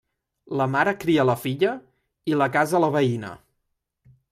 La mare cria la filla i la casa la veïna.